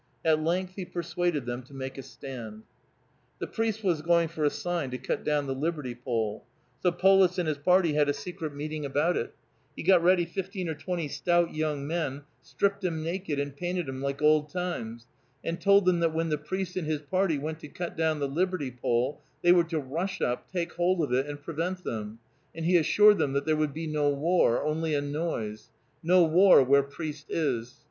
At length he persuaded them to make a stand. The priest was going for a sign to cut down the liberty pole. So Polis and his party had a secret meeting about it; he got ready fifteen or twenty stout young men, "stript 'em naked, and painted 'em like old times," and told them that when the priest and his party went to cut down the liberty pole, they were to rush up, take hold of it, and prevent them, and he assured them that there would be no war, only a noise, "no war where priest is."